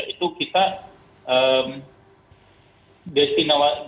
itu kita destinasi wisata